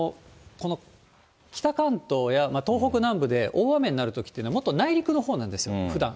この北関東や東北南部で大雨になるときって、もっと内陸のほうなんですよ、ふだん。